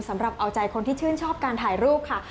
สำหรับเอาใจคนที่ชื่นชอบการถ่ายรูปค่ะ